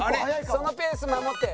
そのペース守って。